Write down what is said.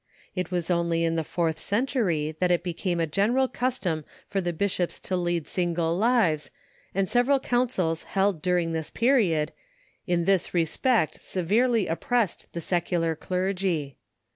It was only in the fourth century that it became a general custom for the bishops to lead single lives, and several councils held during this period, in this respect severely oppressed the secular clergy.